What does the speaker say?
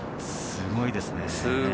すごいですね。